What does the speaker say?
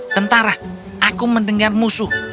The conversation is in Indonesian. tentara aku mendengar musuh